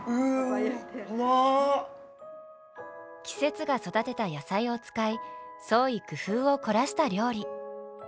季節が育てた野菜を使い創意工夫を凝らした料理。